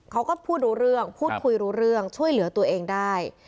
เขาก็พูดรู้เรื่องพูดคุยรู้เรื่องช่วยเหลือตัวเองได้